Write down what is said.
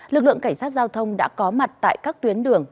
lực lượng cảnh sát giao thông đã có mặt tại các tuyến đường